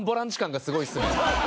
がすごいっすね。